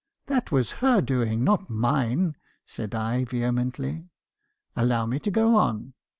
" 'That washer doing, not mine!" said I, vehemently. " 'Allow me to go on.